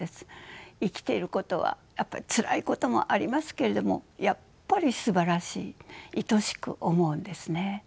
生きていることはやっぱりつらいこともありますけれどもやっぱりすばらしいいとしく思うんですね。